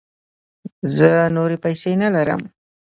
زه نوری پیسې نه لرم